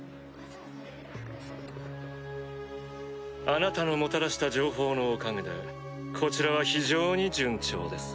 あなたのもたらした情報のおかげでこちらは非常に順調です。